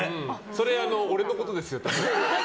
それ、俺のことですよ。